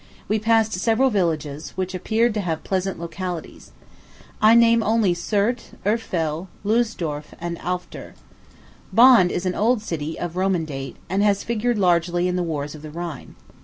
We passed several villages, which appeared to have pleasant localities. I name only Surdt, Urfel, Lulsdorf, and Alfter. Bonn is an old city, of Roman date, and has figured largely in the wars of the Rhine.